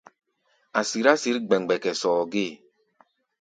A̧ sirá sǐr gbɛmgbɛkɛ sɔɔ gée.